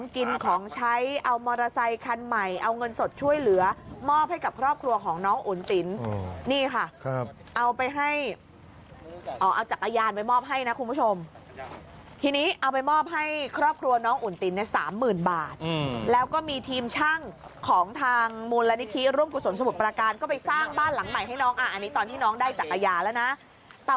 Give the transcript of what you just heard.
กินของใช้เอามอเตอร์ไซคันใหม่เอาเงินสดช่วยเหลือมอบให้กับครอบครัวของน้องอุ๋นติ๋นนี่ค่ะเอาไปให้เอาจักรยานไปมอบให้นะคุณผู้ชมทีนี้เอาไปมอบให้ครอบครัวน้องอุ่นตินเนี่ยสามหมื่นบาทแล้วก็มีทีมช่างของทางมูลนิธิร่วมกุศลสมุทรประการก็ไปสร้างบ้านหลังใหม่ให้น้องอ่ะอันนี้ตอนที่น้องได้จักรยานแล้วนะ